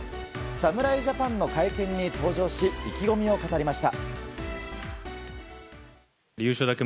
侍ジャパンの会見に登場し意気込みを語りました。